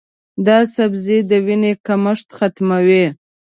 دا سبزی د وینې کمښت ختموي.